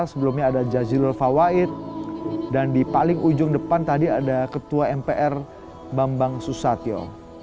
sebelumnya ada jazilul fawait dan di paling ujung depan tadi ada ketua mpr bambang susatyo